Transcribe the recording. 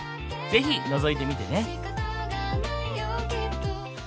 是非のぞいてみてね。